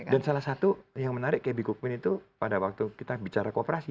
dan salah satu yang menarik kayak buku opinion itu pada waktu kita bicara kooperasi